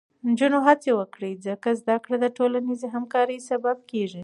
نجونې هڅه وکړي، ځکه زده کړه د ټولنیزې همکارۍ سبب کېږي.